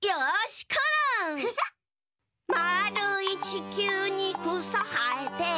「まーるいちきゅうにくさはえて」